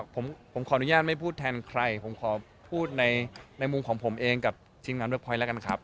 ผมขออนุญาตไม่พูดแทนใครผมขอพูดในมุมของผมเองกับทีมงานเวิร์คพอยต์แล้วกันครับ